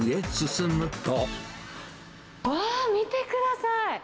わー、見てください。